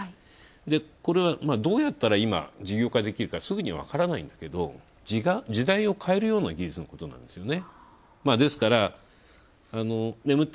これはどうやったら事業化できるか、すぐに分からないんだけど時代を変えるような技術のことなんですよね。